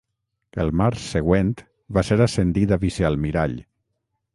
El març següent va ser ascendit a vicealmirall.